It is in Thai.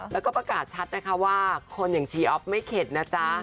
แล้วก็ประกาศชัดนะคะว่าคนอย่างชีออฟไม่เข็ดนะจ๊ะ